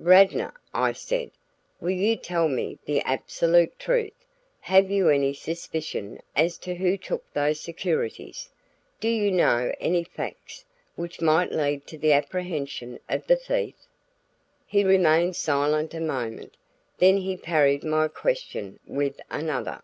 "Radnor," I said, "will you tell me the absolute truth? Have you any suspicion as to who took those securities? Do you know any facts which might lead to the apprehension of the thief?" He remained silent a moment, then he parried my question with another.